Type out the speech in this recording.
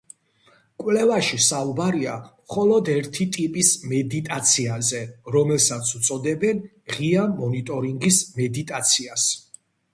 კვლევაში საუბარია მხოლოდ ერთი ტიპის მედიტაციაზე, რომელსაც უწოდებენ ღია მონიტორინგის მედიტაციას.